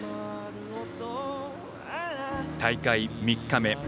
大会３日目。